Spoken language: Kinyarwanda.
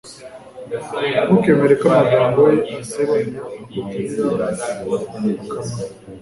Ntukemere ko amagambo ye asebanya akugirira akamaro.